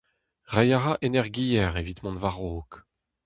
Reiñ a ra energiezh evit mont war-raok.